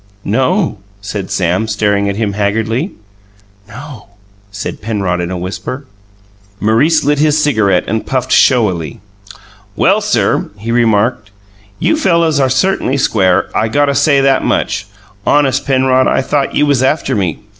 "No," said Sam, staring at him haggardly. "No," said Penrod in a whisper. Maurice lit his cigarette and puffed showily. "Well, sir," he remarked, "you fellers are certainly square I gotta say that much. Honest, Penrod, I thought you was after me!